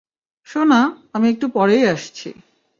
সোনা, আমি একটু পরেই আসছি!